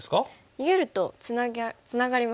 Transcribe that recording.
逃げるとつながりますね。